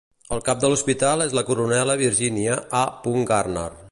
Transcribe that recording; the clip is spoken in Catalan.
El cap de l'hospital és la Coronela Virginia A. Garner.